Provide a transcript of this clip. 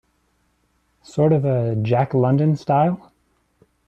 Sort of a Jack London style?